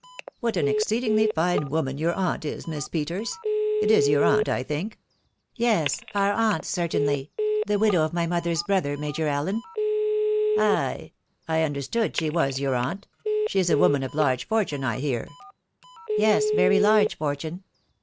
... What an exceedingly fine woman your aunt is, Miss Peters !.... It is your aunt, I think ?"" Yes .... our aunt, certainty ....... die widow of way mo ther's brother, Major Allen." " Ay, .... I understood she was jma aartt. ..» She ds a woman of large fortune, I hear? "" Yes, very large fortune."